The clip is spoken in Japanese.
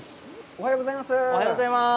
おはようございます。